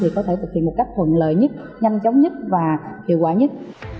có thể thực hiện một cách thuận lợi nhất nhanh chóng nhất và hiệu quả nhất